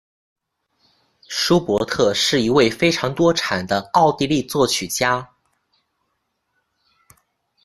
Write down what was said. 舒伯特是一位非常多产的奥地利作曲家。